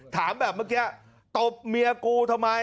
ถามแบบเมื่อกี้ตบเมียกูทำไม